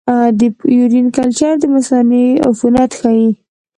د یورین کلچر د مثانې عفونت ښيي.